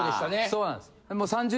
そうなんです。